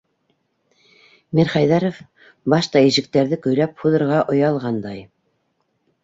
Мирхәйҙәров башта ижектәрҙе көйләп һуҙырға оялғандай